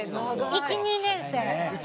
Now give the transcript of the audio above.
１２年生。